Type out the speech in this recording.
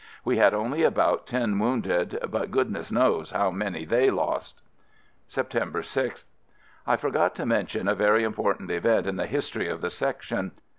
We had only about ten wounded, but goodness knows how many they lost. September 6th. I forgot to mention a very important event in the history of the Section.